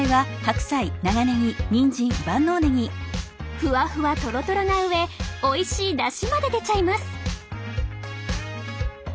ふわふわとろとろな上おいしいだしまで出ちゃいます！